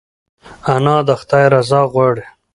انا د خدای رضا غواړي